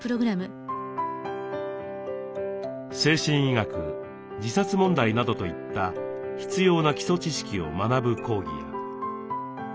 精神医学自殺問題などといった必要な基礎知識を学ぶ講義や。